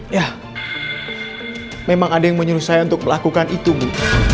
ya memang ada yang menyuruh saya untuk melakukan itu bu